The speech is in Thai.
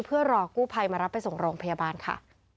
เพื่อรอกู้ภัยมารับไปส่งโรงพยาบาลค่ะ